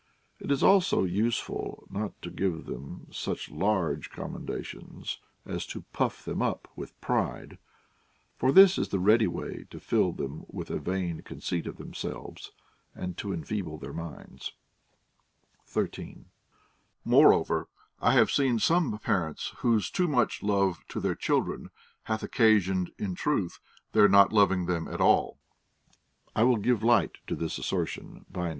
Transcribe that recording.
It is also useful not to give them such large commendations as to puff them up with pride ; for this is the ready way to fill them with a vain conceit of themselves, and to enfeeble their minds. 13. Moreover, I have seen some parents whose too much love to their children hath occasioned, in truth, their not loving them at all. I will give light to this assertion by an OF THE TRAINING OF CHILDREN.